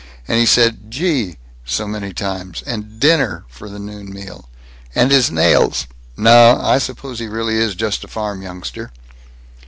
And he said 'Gee' so many times, and 'dinner' for the noon meal. And his nails No, I suppose he really is just a farm youngster."